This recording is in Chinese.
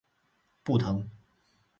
不疼